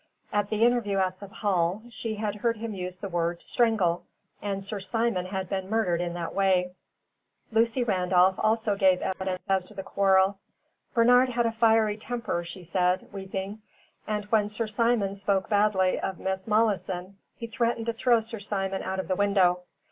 At the interview at the Hall, she had heard him use the word "strangle," and Sir Simon had been murdered in that way. Lucy Randolph also gave evidence as to the quarrel. "Bernard had a fiery temper," she said, weeping, "and when Sir Simon spoke badly of Miss Malleson, he threatened to throw Sir Simon out of the window.